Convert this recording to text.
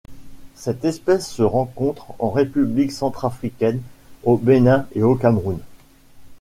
Cette espèce se rencontre en République centrafricaine, au Bénin et au Cameroun.